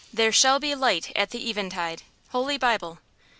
"THERE SHALL BE LIGHT AT THE EVENTIDE."–Holy Bible.